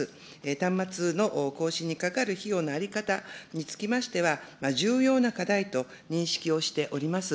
端末の更新にかかる費用の在り方につきましては、重要な課題と認識をしております。